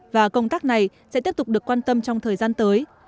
và công tác này sẽ tiếp tục được quan tâm trong thời gian tới